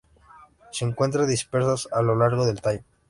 Se encuentran dispersas a lo largo del tallo.